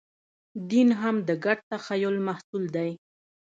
دین هم د ګډ تخیل محصول دی.